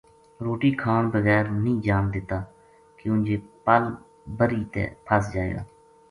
روٹی کھان بغیر نیہہ جان دیتا کیوں جے پل بری تے پھس جائے گا۔